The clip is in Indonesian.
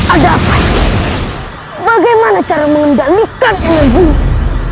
ada apa bagaimana cara mengembalikan yang membunuhku